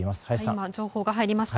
今、情報が入りました。